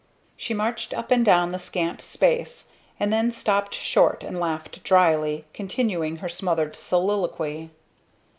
She marched up and down the scant space, and then stopped short and laughed drily, continuing her smothered soliloquy.